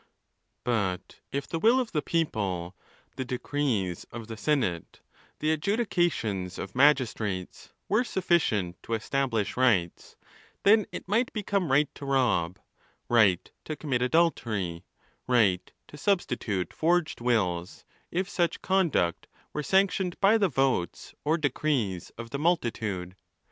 XVI. But if the will of the people, the decrees of the senate, the adjudications of magistrates, were sufficient to establish rights, then it might become right to rob, right to commit adultery, right to substitute forged wills, if such con duct were sanctioned by the votes or decrees of the multi tude.